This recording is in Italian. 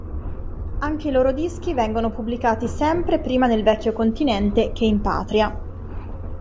Anche i loro dischi vengono pubblicati sempre prima nel vecchio continente che in patria.